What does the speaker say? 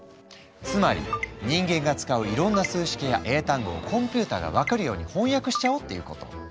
つまり人間が使ういろんな数式や英単語をコンピューターが分かるように翻訳しちゃおうっていうこと。